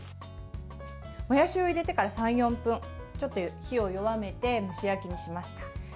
もやしを入れてから３４分ちょっと火を弱めて蒸し焼きにしました。